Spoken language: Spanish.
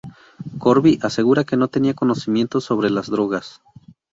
Corby asegura que no tenía conocimiento sobre las drogas.